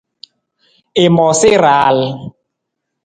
I moosa i raal.